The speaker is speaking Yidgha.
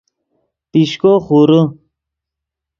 پیشکو خورے